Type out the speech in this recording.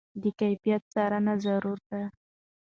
د کیفیت څارنه ضروري ده.